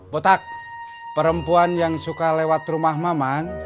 botak perempuan yang suka lewat rumah mamang